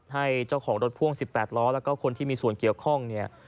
ให้เจ้าของรถพ่วง๑๘ล้อแล้วก็คนที่มีส่วนเกี่ยวข้องเนี่ย